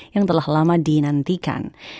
yang telah lama dinantikan